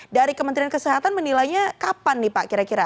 dari kementerian kesehatan menilainya kapan nih pak kira kira